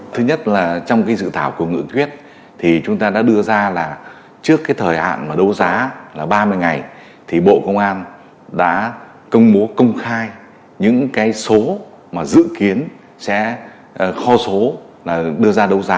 thứ nhất là trong dự thảo của ngựa thuyết thì chúng ta đã đưa ra là trước thời hạn đấu giá là ba mươi ngày thì bộ công an đã công bố công khai những số mà dự kiến sẽ kho số đưa ra đấu giá